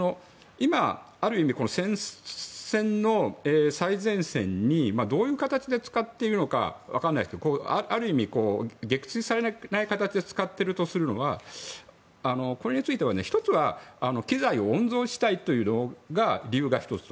今、これを最前線にどういう形で使っているのか分かりませんがある意味、撃墜されない形で使っているとするとこれについては１つは機材を温存したいという理由が１つと。